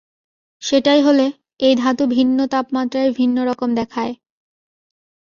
সেটাই হলে, এই ধাতু ভিন্ন তাপমাত্রায় ভিন্ন রকম দেখায়।